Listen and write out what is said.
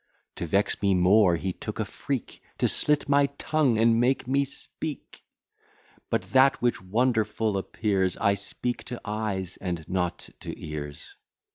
To vex me more, he took a freak To slit my tongue and make me speak: But, that which wonderful appears, I speak to eyes, and not to ears.